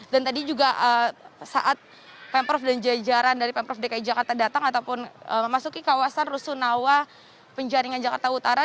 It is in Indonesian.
saat pemprov dan jajaran dari pemprov dki jakarta datang ataupun memasuki kawasan rusun awas penjaringan jakarta utara